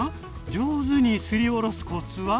上手にすりおろすコツは？